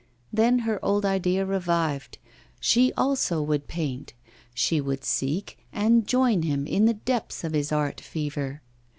Then her old idea revived she also would paint; she would seek and join him in the depths of his art fever.